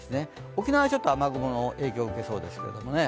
沖縄はちょっと雨雲の影響を受けそうです。